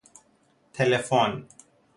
تلفن